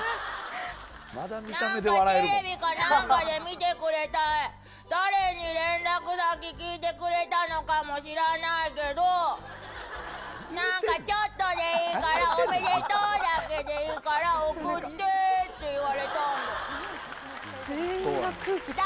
なんかテレビかなんかで見てくれて、誰に連絡先聞いてくれたのかも知らないけど、なんかちょっとでいいから、おめでとうだけでいいから送ってって言われたんだ。